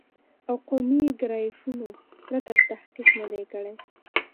او قومي ګرایشونو پرته تحقیق نه دی کړی